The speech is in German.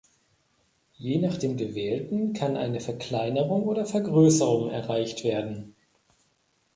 Je nach dem gewählten kann eine Verkleinerung oder Vergrößerung erreicht werden.